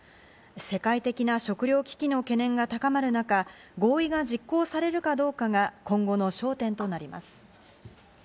世界的な食糧危機の懸念が高まる中、合意が実行されるかどうかが今後の焦点となります。